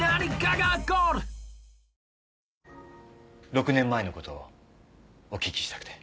６年前のことをお聞きしたくて。